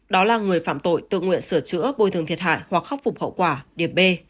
đó là người phạm tội tự nguyện sửa chữa bồi thường thiệt hại hoặc khắc phục hậu quả điểm b